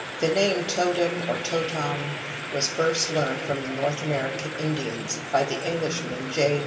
The name Totem or Totam was first learned from the North American Indians by the Englishman, J.